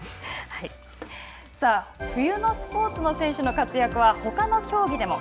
さあ冬のスポーツの選手の活躍はほかの競技でも。